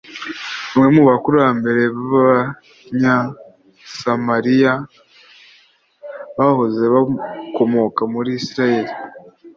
Bamwe mu bakurambere b’Abanyasamariya bahoze bakomoka muri Isiraheli;